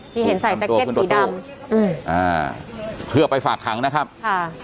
ที่เห็นใส่แจ็คเก็ตสีดำอืมอ่าเพื่อไปฝากขังนะครับค่ะ